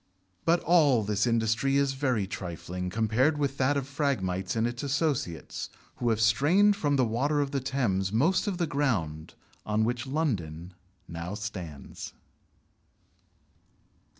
But all this industry is very trifling compared with that of Phragmites and its associates, who have strained from the water of the Thames most of the ground on which London now stands.